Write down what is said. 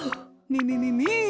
みみみみー！